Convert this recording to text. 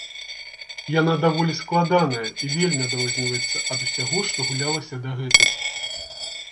Яна даволі складаная і вельмі адрозніваецца ад усяго, што гулялася дагэтуль.